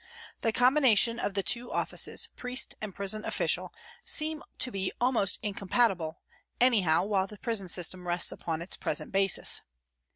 The combination of the two offices, priest and prison official, seem to be almost incompatible, anyhow while the prison system rests upon its present basis.